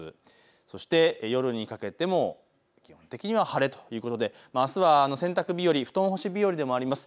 そして夜にかけても基本的には晴れということであすは洗濯日和、布団干し日和でもあります。